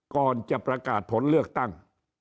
ก่อนจะประกาศผลเลือกตั้ง